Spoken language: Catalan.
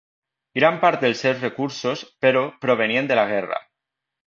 Gran part dels seus recursos, però, provenien de la guerra.